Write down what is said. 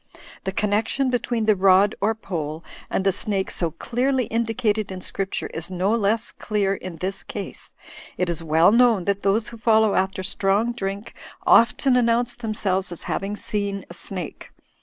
Thfc connection be tween the rod or pole and the snake so clearly indicated in Scripture is no less clear in this case. It is well known that those who follow after strong drink often announce themselves as having seen a snake.